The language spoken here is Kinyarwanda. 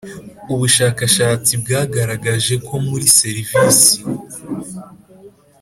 Ubushakashatsi bwagaragaje ko muri serivisi